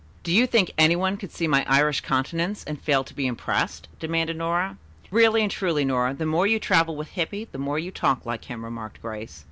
"Do you think any one could see my Irish countenance and fail to be impressed?" demanded Nora. "Really and truly, Nora, the more you travel with Hippy, the more you talk like him," remarked Grace.